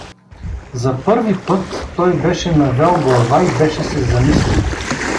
За първи път той беше навел глава и беше се замислил.